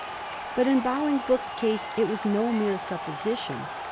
Bat in Bolingbroke's case it was no mere supposition.